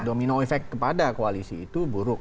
domino efek kepada koalisi itu buruk